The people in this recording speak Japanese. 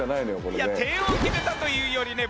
いや点を決めたというよりね